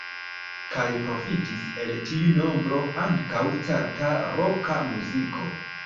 Kaj profitis el tiu nombro ankaŭ certa roka muziko.